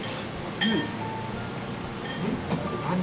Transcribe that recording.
うん。